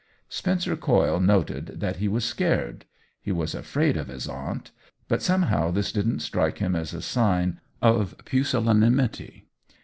Spencer Coyle noted that he was scared — he was afraid of his aunt ; but somehow this didn't strike him as a sign of pusillanimity.